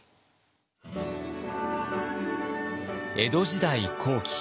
江戸時代後期。